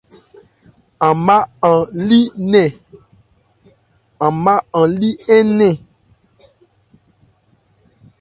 An má a lí nnɛn.